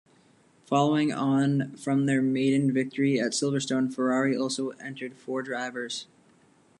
Following on from their maiden victory at Silverstone, Ferrari also entered four drivers.